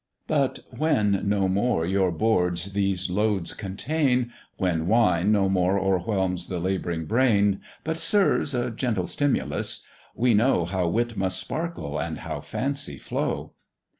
"But when no more your boards these loads contain, When wine no more o'erwhelms the labouring brain, But serves, a gentle stimulus; we know How wit must sparkle, and how fancy flow."